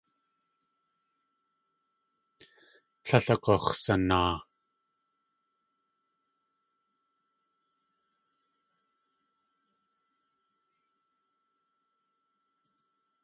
Tlél agux̲sanaa.